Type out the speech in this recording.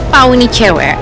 paun nih cewek